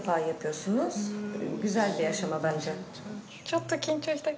ちょっと緊張した。